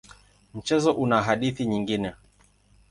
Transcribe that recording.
Mchezo una hadithi nyingine.